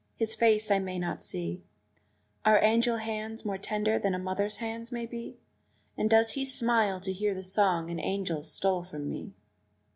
His face I may not see Are angel hands more tender than a mother's hands may be? And does he smile to hear the song an angel stole from me?